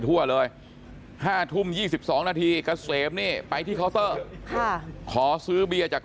ทั่วเลย๕ทุ่ม๒๒นาทีเกษมนี่ไปที่เคาน์เตอร์ขอซื้อเบียร์จาก